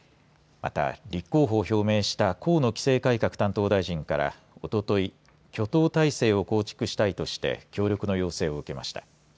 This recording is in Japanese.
また立候補を表明した河野規制改革担当大臣から、おととい、挙党態勢を構築したいとして、協力の要請を受けました。